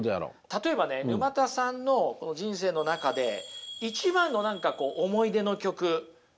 例えばね沼田さんのこの人生の中で一番の何か思い出の曲あります？